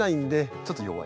ちょっと弱い？